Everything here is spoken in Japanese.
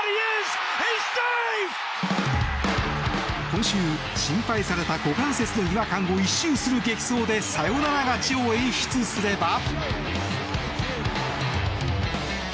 今週、心配された股関節の違和感を一蹴する激走でサヨナラ勝ちを演出すれば。